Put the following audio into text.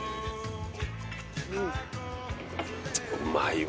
うまいわ。